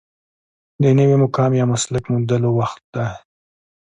د نوي مقام یا مسلک موندلو وخت دی.